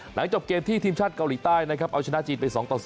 หลังจบเกมที่ทีมชาติเกาหลีใต้เอาชนะจีนไป๒๐